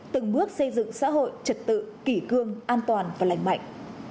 từng bước xây dựng xã hội trật tự kỷ cương an toàn và lành mạnh